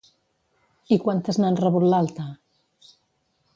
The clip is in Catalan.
I quantes n'han rebut l'alta?